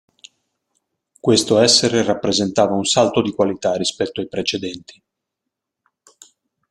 Questo essere rappresentava un salto di qualità rispetto ai precedenti.